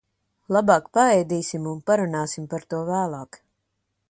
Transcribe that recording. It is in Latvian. Labāk paēdīsim un parunāsim par to vēlāk.